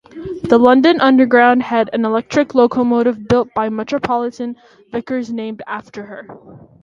The London Underground had an electric locomotive built by Metropolitan-Vickers named after her.